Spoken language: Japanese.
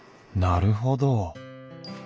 なるほど。